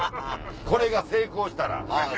これが成功したら。